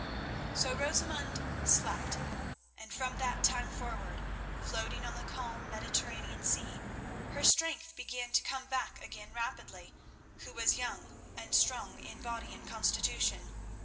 So Rosamund slept, and from that time forward, floating on the calm Mediterranean sea, her strength began to come back again rapidly, who was young and strong in body and constitution.